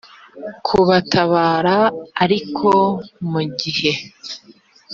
kubatabara ariko mu gihe